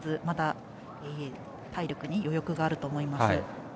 まだ体力に余力があると思います。